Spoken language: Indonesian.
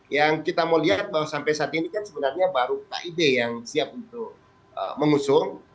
yang kita mau lihat bahwa sampai saat ini kan sebenarnya baru kib yang siap untuk mengusung